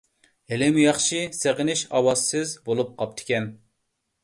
ھېلىمۇ ياخشى سېغىنىش ئاۋازسىز بولۇپ قاپتىكەن.